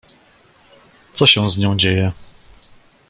"Co się z nią dzieje?"